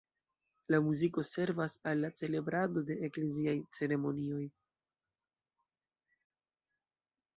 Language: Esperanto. La muziko servas al la celebrado de ekleziaj ceremonioj.